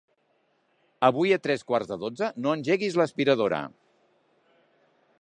Avui a tres quarts de dotze no engeguis l'aspiradora.